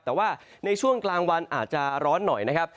แต่ว่าในช่วงกลางวันอาจจะร้อนหน่อยนะครับ